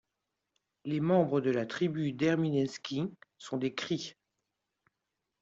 Les membres de la tribu d'Ermineskin sont des Cris.